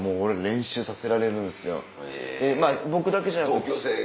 僕だけじゃなくて。